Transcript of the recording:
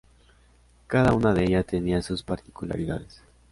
Cada una de ella tenía sus particularidades.